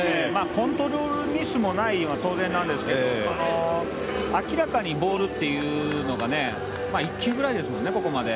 コントロールミスがないのは当然なんですけど明らかにボールっていうのが１球ぐらいですもんね、ここまで。